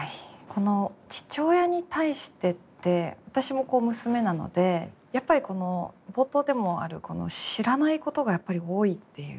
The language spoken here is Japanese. この父親に対してって私も娘なのでやっぱりこの冒頭でもあるこの知らないことがやっぱり多いっていう意外と。